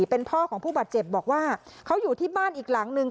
เป็นพ่อของผู้บาดเจ็บบอกว่าเขาอยู่ที่บ้านอีกหลังนึง